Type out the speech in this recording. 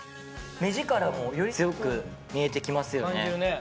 目力もより強く見えてきますよね。